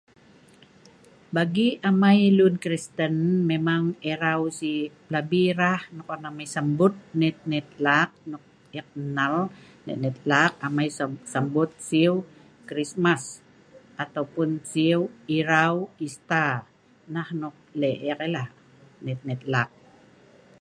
Bagi amai lun Kristen memang irau si pelabi rah nok an amai sambut net-net lak nok ek nal, net-net lak amai sambut siu Krismast ataupun siu irau Ester, nah nok leh' ek ai lah net-net lak.